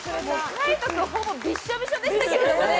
海音君ほぼびしょびしょでしたけどね。